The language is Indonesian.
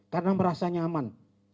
karena merasa nyaman